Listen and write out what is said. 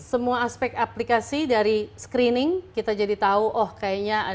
semua aspek aplikasi dari screening kita jadi tahu oh kayaknya ada